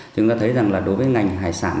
chúng ta thấy rằng đối với ngành hải sản